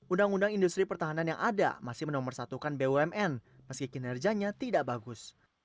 undang undang industri pertahanan yang ada masih menomorsatukan bumn meski kinerjanya tidak bagus